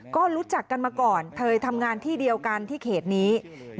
ก็รู้จักกันมาก่อนเคยทำงานที่เดียวกันที่เขตนี้